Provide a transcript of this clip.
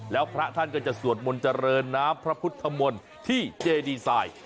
แล้วพระท่านก็จะสวดมนต์เจริญน้ำพระพุทธมนต์ที่เจดีไซน์